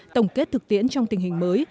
tổng kết thực tiễn trong tình hình mới